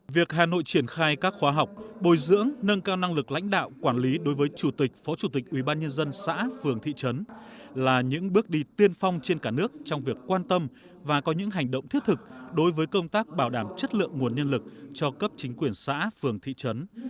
việc hà nội triển khai các khóa học bồi dưỡng nâng cao năng lực lãnh đạo quản lý đối với chủ tịch phó chủ tịch ubnd xã phường thị trấn là những bước đi tiên phong trên cả nước trong việc quan tâm và có những hành động thiết thực đối với công tác bảo đảm chất lượng nguồn nhân lực cho cấp chính quyền xã phường thị trấn